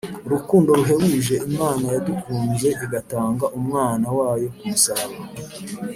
Urukundo ruhebuje Imana yadukunze igatanga umwana wayo kumusaraba